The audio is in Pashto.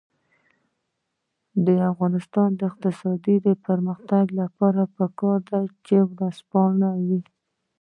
د افغانستان د اقتصادي پرمختګ لپاره پکار ده چې ورځپاڼې وي.